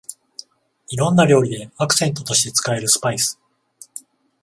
いろんな料理でアクセントとして使えるスパイス